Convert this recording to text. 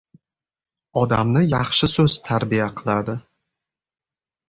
Odamni yaxshi so‘z tarbiya qiladi